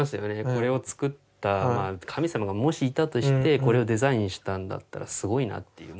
これを作った神様がもしいたとしてこれをデザインしたんだったらすごいなっていう。